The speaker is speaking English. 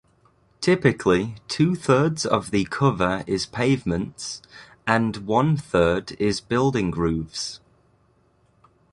Typically two-thirds of the cover is pavements and one-third is building roofs.